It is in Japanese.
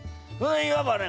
いわばね